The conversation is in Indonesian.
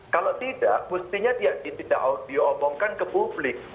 kalau tidak mestinya tidak diomongkan ke publik